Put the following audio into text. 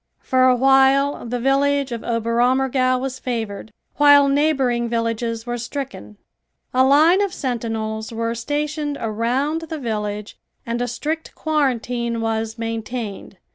For a while the village of Oberammergau was favored, while neighboring villages were stricken. A line of sentinels were stationed around the village and a strict quarantine was maintained.